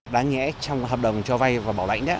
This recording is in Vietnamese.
đáng nhẽ trong hợp đồng cho vay và bảo lãnh